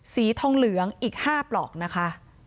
สีทองเหลืองอีก๕ปลอกนะคะ